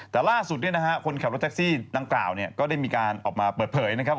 แต่ล่าสุดเนี่ยนะฮะคนขับรถแท็กซี่ดังกล่าวเนี่ยก็ได้มีการออกมาเปิดเผยนะครับ